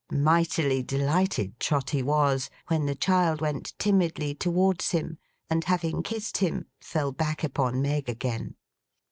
Mightily delighted Trotty was, when the child went timidly towards him, and having kissed him, fell back upon Meg again.